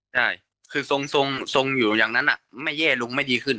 ใช่คือทรงอยู่อย่างนั้นไม่แย่ลุงไม่ดีขึ้น